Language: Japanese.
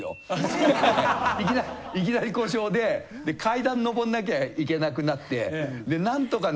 いきなり故障でで階段上らなきゃいけなくなって。